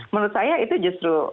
menurut saya itu justru